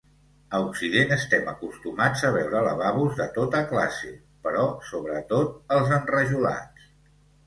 A occident estem acostumats a veure lavabos de tota classe, però sobretot els enrajolats.